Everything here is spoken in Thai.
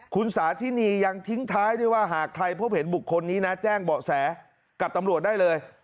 คุณสาธินียังทิ้งท้ายด้วยว่าหากใครพบเห็นบุคคลนี้นะแจ้งเบาะแสกับตำรวจได้เลย